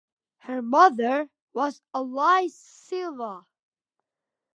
Her mother was Alice Silva.